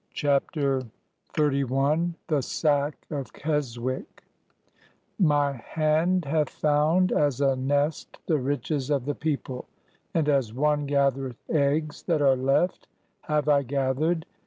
CHAPTER XXXI THE SACK OF KESWICK My hand hath found as a nest the riches of the people: and as one gathereth eggs that are left, have I gathered